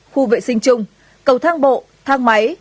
khu vệ sinh chung cầu thang bộ thang máy